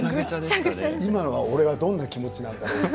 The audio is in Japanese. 今の俺はどんな気持ちなんだろうと。